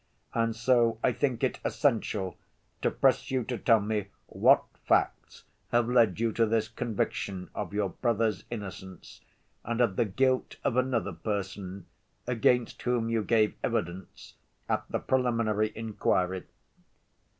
And so I think it essential to press you to tell me what facts have led you to this conviction of your brother's innocence and of the guilt of another person against whom you gave evidence at the preliminary inquiry?"